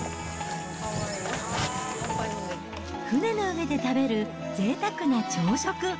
船の上で食べるぜいたくな朝食。